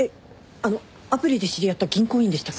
あのアプリで知り合った銀行員でしたっけ？